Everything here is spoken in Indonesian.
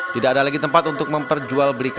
tidak ada lagi tempat untuk memperjual belikan